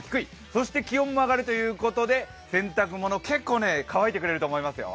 そして気温も上がるということで洗濯物、結構乾いてくれると思いますよ。